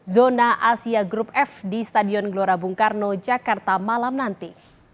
zona asia group f di stadion gelora bung karno jakarta malam nanti